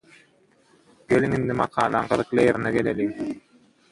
Geliň indi makalaň gyzykly ýerine geleliň.